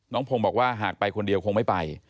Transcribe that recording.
พงศ์บอกว่าหากไปคนเดียวคงไม่ไป